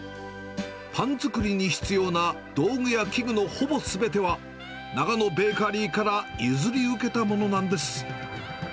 パン作りに必要な道具や器具のほぼすべては、長野ベーカリーから譲り受けたものなんです。